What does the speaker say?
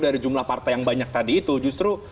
dari jumlah partai yang banyak tadi itu justru